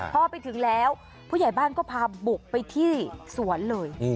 พอไปถึงแล้วผู้ใหญ่บ้านก็พาบุกไปที่สวนเลย